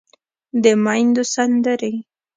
د ميندو سندرې